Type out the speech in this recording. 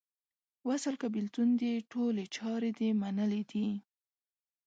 وصل که بیلتون دې ټولي چارې دې منلې دي